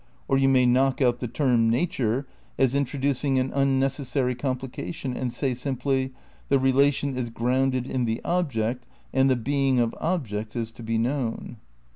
Or you may knock out the term "nature," as intro ducing an unnecessary complication, and say simply: the relation is grounded in the object, and the being of objects is to be known.